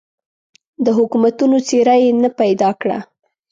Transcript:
د حکومتونو څېره یې نه پیدا کړه.